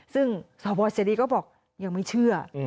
ซึ่งสวเสรีก็บอกยังไม่เชื่อ